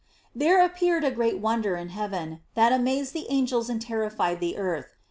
There appeared a great wonder in heaven, that amazed the angels and terrified the earth.